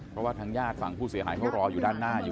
เพราะว่าทางญาติฝั่งผู้เสียหายเขารออยู่ด้านหน้าอยู่